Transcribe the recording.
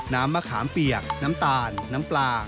มะขามเปียกน้ำตาลน้ำปลา